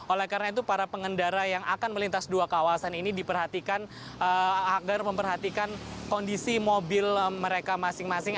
oleh karena itu para pengendara yang akan melintas dua kawasan ini diperhatikan agar memperhatikan kondisi mobil mereka masing masing